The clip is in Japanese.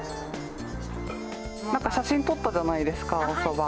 なんか写真撮ったじゃないですか、そば。